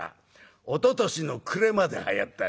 おととしの暮れまではやったんだ。